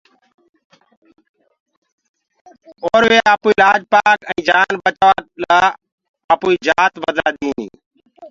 اورَ وي آپوڪيٚ لآج پآگ ائينٚ جآن بچآوآ لآ آپوئيٚ جآت بدلآ ديٚن۔